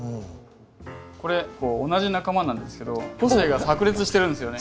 これ同じ仲間なんですけど個性がさく裂してるんですよね。